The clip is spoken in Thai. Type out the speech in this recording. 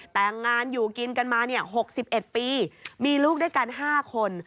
แต่งงานอยู่กินกันมา๖๑ปีมีลูกด้วยกัน๕คน